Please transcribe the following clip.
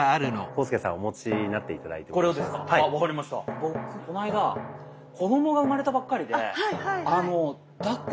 僕この間子供が生まれたばっかりで。